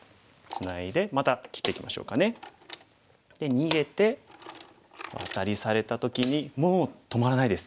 逃げてアタリされた時にもう止まらないです。